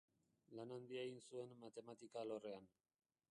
Lan handia egin zuen matematika alorrean.